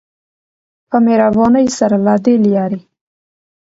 په مهربانی سره له دی لاری.